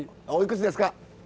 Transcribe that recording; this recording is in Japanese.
おいくつですか？